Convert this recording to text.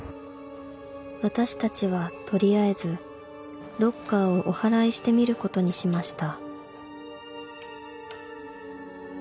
［私たちは取りあえずロッカーをおはらいしてみることにしました］